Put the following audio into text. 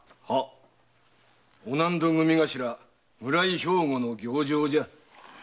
御納戸組頭村井兵庫の行状じゃ。